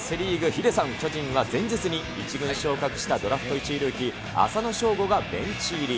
ヒデさん、巨人は前日に１軍に昇格したドラフト１位ルーキー、浅野翔吾がベンチ入り。